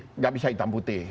tidak bisa hitam putih